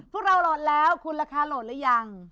พวกเราโหลดแล้วคุณราคาโหลดหรือยัง